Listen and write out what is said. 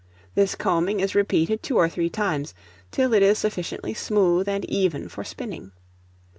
This combing is repeated two or three times, till it is sufficiently smooth and even for spinning.